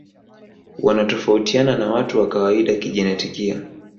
Wanatofautiana na watu wa kawaida kijenetikia